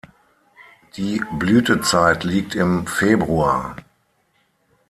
Die Blütezeit liegt im Februar.